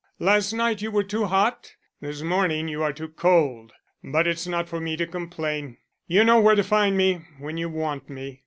Last night you were too hot; this morning you are too cold. But it's not for me to complain. You know where to find me when you want me."